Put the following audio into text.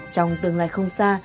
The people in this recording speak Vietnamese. trong tương lai không xa